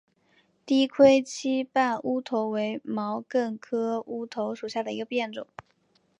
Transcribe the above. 低盔膝瓣乌头为毛茛科乌头属下的一个变种。